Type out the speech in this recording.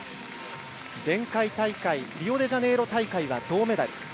前回大会リオデジャネイロ大会は銅メダル。